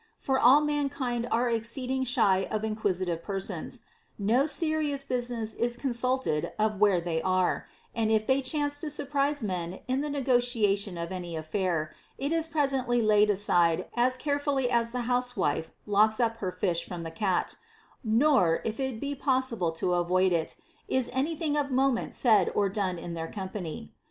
For all mankind are exceeding shy of inquis itive persons : no serious business is consulted of where they are ; and if they chance to surprise men in the nego tiation of any affair, it is presently laid aside as carefully as the housewife locks up her fish from the cat ; nor (if it be possible to avoid it) is any thing of moment said or done in their company.